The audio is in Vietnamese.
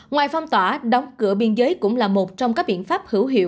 ngoài phong tỏa đóng cửa biên giới cũng là một trong các biện pháp hữu hiệu